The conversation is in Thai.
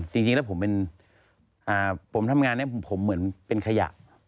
จริงแล้วผมทำงานผมเหมือนเป็นขยะ